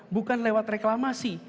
bukan lewat reklamasi